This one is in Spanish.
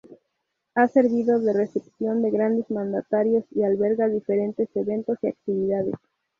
Ha servido de recepción de grandes mandatarios y alberga diferentes eventos y actividades.